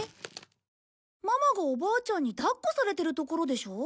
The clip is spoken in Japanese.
ママがおばあちゃんに抱っこされてるところでしょ？